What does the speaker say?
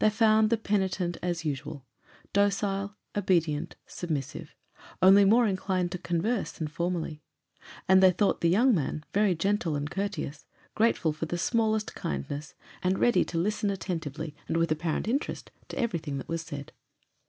They found the penitent as usual docile, obedient, submissive, only more inclined to converse than formerly; and they thought the young man very gentle and courteous, grateful for the smallest kindness, and ready to listen attentively, and with apparent interest, to everything that was said.